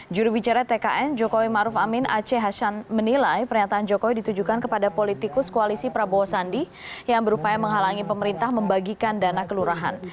jurubicara tkn jokowi maruf amin aceh hasan menilai pernyataan jokowi ditujukan kepada politikus koalisi prabowo sandi yang berupaya menghalangi pemerintah membagikan dana kelurahan